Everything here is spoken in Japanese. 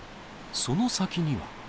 その先には。